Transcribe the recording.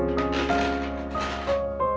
tekanku buat aku